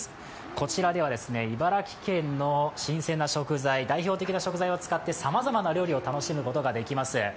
こちらでは茨城県の新鮮な食材、代表的な食材を使ってさまざまな料理を楽しむことができます。